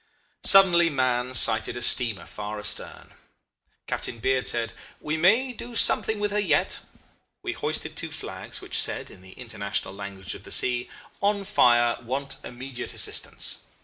"Suddenly Mahon sighted a steamer far astern. Captain Beard said, 'We may do something with her yet.' We hoisted two flags, which said in the international language of the sea, 'On fire. Want immediate assistance.